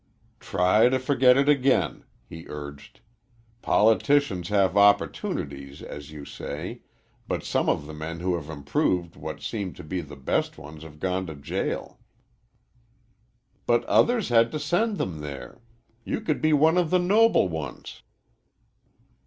"Try to forget it again," he urged. "Politicians have opportunities, as you say; but some of the men who have improved what seemed the best ones have gone to jail." "But others had to send them there. You could be one of the noble ones!"